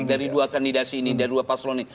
dari dua kandidasi ini